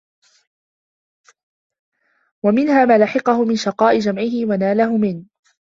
وَمِنْهَا مَا لَحِقَهُ مِنْ شَقَاءِ جَمْعِهِ ، وَنَالَهُ مِنْ